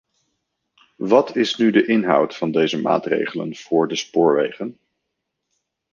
Wat is nu de inhoud van deze maatregelen voor de spoorwegen?